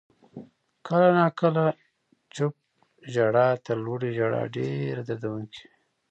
• کله ناکله چپ ژړا تر لوړې ژړا ډېره دردونکې وي.